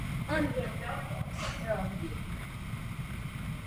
Také přes něj může obrátit nepřátele proti sobě.